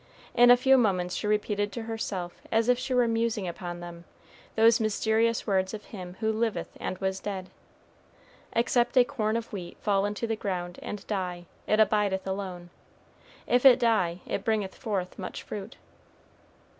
In a few moments she repeated to herself, as if she were musing upon them, those mysterious words of Him who liveth and was dead, "Except a corn of wheat fall into the ground and die, it abideth alone; if it die, it bringeth forth much fruit."